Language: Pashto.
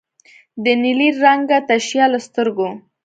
د نیلي رنګه تشیال له سترګو